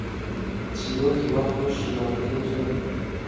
چیرۆکی وا خۆشی مام کەریم زۆرن